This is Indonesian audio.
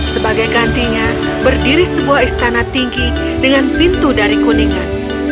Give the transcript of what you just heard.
sebagai gantinya berdiri sebuah istana tinggi dengan pintu dari kuningan